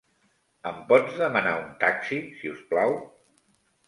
Em pots demanar un taxi si us plau?